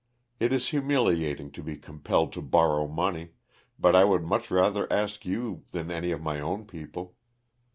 It is humiliating to be compelled to borrow money but I would much rather ask you than any of my own people.